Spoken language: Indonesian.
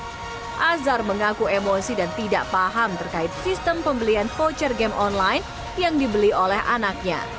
azhar mengaku emosi dan tidak paham terkait sistem pembelian voucher game online yang dibeli oleh anaknya